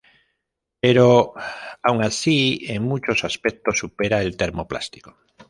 Pero aún así en muchos aspectos supera al termoplástico.